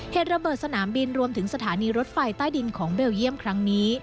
เหตุระเบิดสนามบินรวมถึงสถานีรถไฟใต้ดินของเบลเยี่ยมครั้งนี้